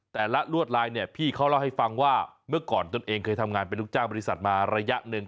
แต่ละลวดลายเนี่ยพี่เขาเล่าให้ฟังว่าเมื่อก่อนตนเองเคยทำงานเป็นลูกจ้างบริษัทมาระยะหนึ่ง